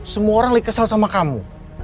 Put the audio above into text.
semua orang lagi kesal sama kamu